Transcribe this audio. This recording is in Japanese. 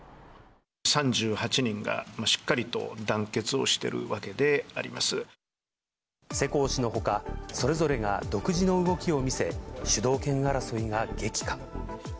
３８人がしっかりと団結をし世耕氏のほか、それぞれが独自の動きを見せ、主導権争いが激化。